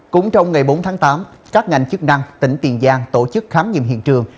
cũng trong ngày bốn tháng tám các ngành chức năng tỉnh tiền giang tổ chức khám nghiệm hiện trường